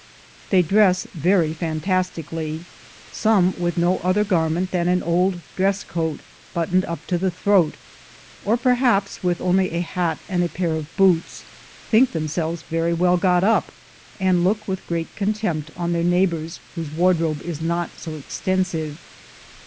They dress very fantastically. Some, with no other garment than an old dress coat but toned up to the throat, or perhaps with only a hat and a pair of boots, think themselves very well got up, and look with great contempt on their neighbors 130 INDIANS AND CHINAMEN 131 whose wardrobe is not so extensive.